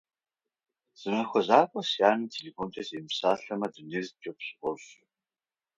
Зы махуэ закъуэ си анэм телефонкӏэ семыпсэлъамэ, дунейр кӏыфӏ сфӏощӏ.